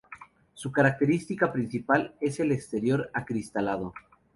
Su característica principal es el exterior acristalado.